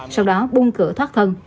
sau đó buông cửa thoát thân